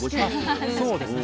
そうですね